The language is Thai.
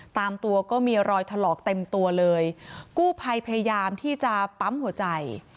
ตามตัวก็มีรอยถลอกเต็มตัวเลยกู้ภัยพยายามที่จะปั๊มหัวใจ